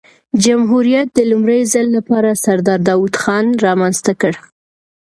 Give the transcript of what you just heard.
جمهوریت د لومړي ځل له پاره سردار داود خان رامنځ ته کړ.